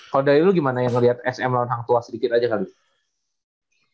kalo dari lu gimana yang ngeliat sm lawan hang tua sedikit aja kali